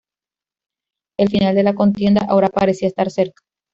El final de la contienda ahora parecía estar cerca.